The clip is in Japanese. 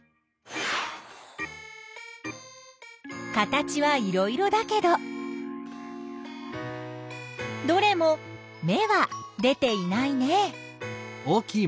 形はいろいろだけどどれも芽は出ていないね。